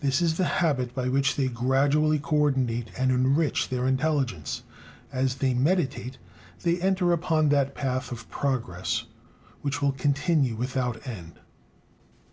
This is the habit by which they gradually coordinate and enrich their intelligence. As they meditate, they enter upon that path of progress which will continue without end.